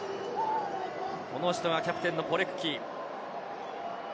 この人がキャプテンのポレクキ。